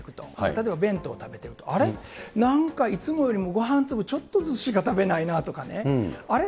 例えば弁当食べてると、あれっ、なんかいつもよりごはん粒ちょっとずつしか食べないなとかね、あれ？